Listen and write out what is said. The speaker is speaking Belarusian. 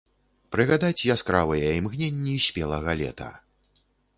Прыгадаць яскравыя імгненні спелага лета.